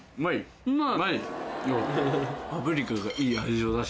うまい？